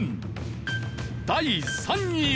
第３位は。